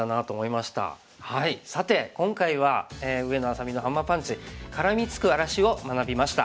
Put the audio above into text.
さて今回は上野愛咲美のハンマーパンチ「からみつく荒らし」を学びました。